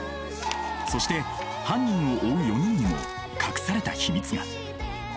そして犯人を追う４人にも隠された秘密が。